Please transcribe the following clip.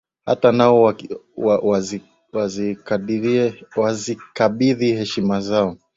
hata nao wazikabidhi heshima zao.